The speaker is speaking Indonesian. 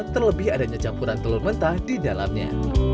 terlebih adanya campuran telur mentah di dalamnya